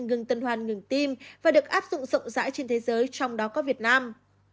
ngừng tân hoàn ngừng tim và được áp dụng rộng rãi trên thế giới trong đó có việt nam